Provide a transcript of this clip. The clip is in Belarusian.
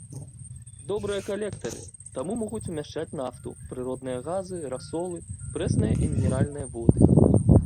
Добрыя калектары, таму могуць умяшчаць нафту, прыродныя газы, расолы, прэсныя і мінеральныя воды.